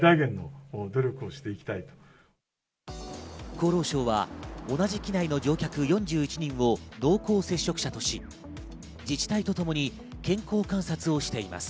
厚労省は同じ機内の乗客４１人を濃厚接触者とし、自治体とともに健康観察をしています。